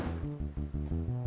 terima kasih sekali